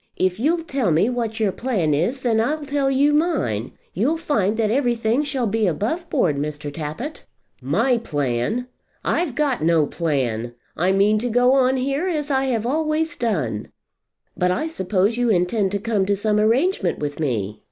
If you'll tell me what your plan is, then I'll tell you mine. You'll find that everything shall be above board, Mr. Tappitt." "My plan? I've got no plan. I mean to go on here as I've always done." "But I suppose you intend to come to some arrangement with me.